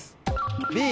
Ｂ。